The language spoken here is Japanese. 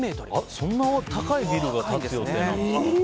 そんなに高いビルが建つ予定なんだ。